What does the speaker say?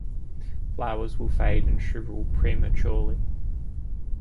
Flowers will fade and shrivel prematurely.